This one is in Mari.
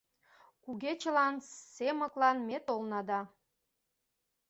Кугечылан, Семыклан ме толна да